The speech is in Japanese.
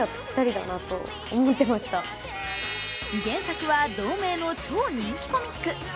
原作は同名の超人気コミック。